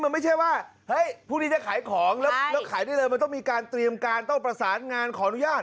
มันต้องมีการเตรียมการต้องประสานงานขออนุญาต